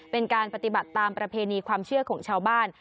เป็นการปฏิบัติตามประเพณีความเชื่อของชาวบ้าน